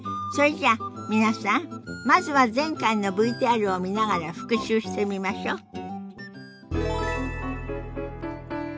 それじゃあ皆さんまずは前回のＶＴＲを見ながら復習してみましょう。